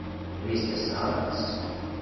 Ви сте самац?